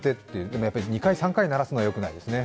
でもやっぱり、２回、３回鳴らすのはよくないですね。